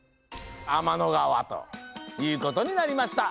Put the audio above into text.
「あまのがわ」ということになりました。